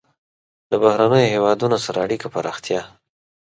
له بهرنیو هېوادونو سره اړیکو پراختیا.